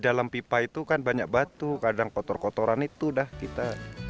di dalam pipa itu kan banyak batu kadang kotor kotoran itu dah kita